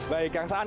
baik kang saan